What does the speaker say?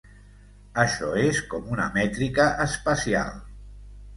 Això és com una mètrica espacial.